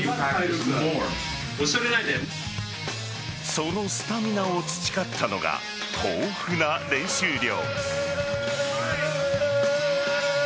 そのスタミナを培ったのが豊富な練習量。